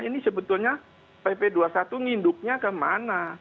ini sebetulnya pp dua puluh satu nginduknya kemana